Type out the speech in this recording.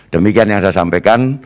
demikian yang saya sampaikan